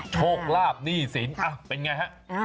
โชคลาบหนี้สินเป็นไงฮะ